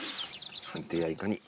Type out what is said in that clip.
判定やいかに。